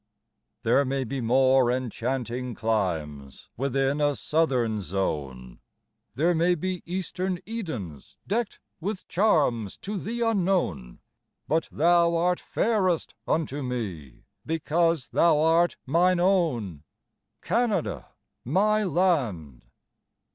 There may be more enchanting climes Within a southern zone; There may be eastern Edens deckt With charms to thee unknown; But thou art fairest unto me, Because thou art mine own, Canada, my land.